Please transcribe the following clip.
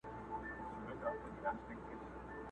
زما پر تور قسمت باندي باغوان راسره وژړل!!